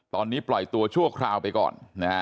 ตอนนี้ปล่อยตัวชั่วคราวไปก่อนนะฮะ